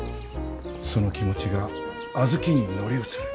その気持ちが小豆に乗り移る。